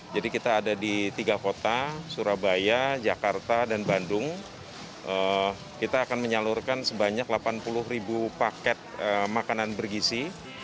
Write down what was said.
jadi kita ada di tiga kota surabaya jakarta dan bandung kita akan menyalurkan sebanyak delapan puluh ribu paket makanan bergisi